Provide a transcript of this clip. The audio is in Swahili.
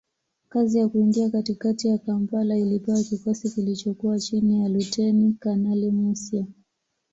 Kazi ya kuingia katikati ya Kampala ilipewa kikosi kilichokuwa chini ya Luteni Kanali Msuya